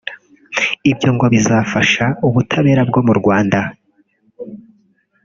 Ibyo ngo bizafasha ubutabera bwo mu Rwanda